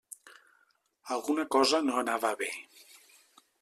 Alguna cosa no anava bé.